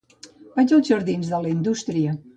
Vaig als jardins de la Indústria.